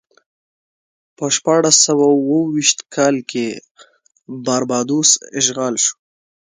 په شپاړس سوه اوه ویشت کال کې باربادوس اشغال شو.